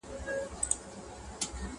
ما پخوا لا طبیبان وه رخصت کړي،